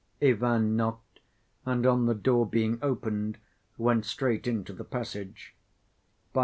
Ivan knocked, and, on the door being opened, went straight into the passage.